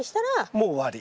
もう終わり。